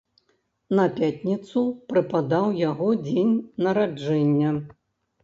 На пятніцу прыпадаў яго дзень нараджэння.